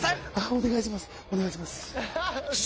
お願いします